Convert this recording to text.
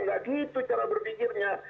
nggak gitu cara berpikirnya